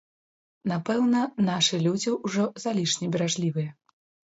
Напэўна, нашы людзі ўжо залішне беражлівыя.